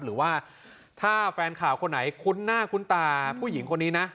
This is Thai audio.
หรือว่าถ้าแฟนข่าวคนไหนคุ้นหน้าคุ้นตาผู้หญิงคนนี้นะ